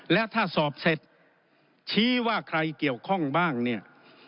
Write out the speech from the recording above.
และถ้าสอบเสร็จชี้ว่าใครเกี่ยวข้องบ้างเนี่ย